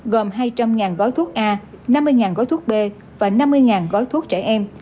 gồm hai trăm linh gói thuốc a năm mươi gói thuốc b và năm mươi gói thuốc trẻ em